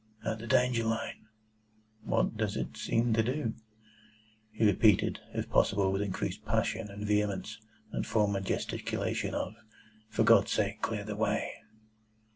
"At the Danger light." "What does it seem to do?" He repeated, if possible with increased passion and vehemence, that former gesticulation of, "For God's sake, clear the way!"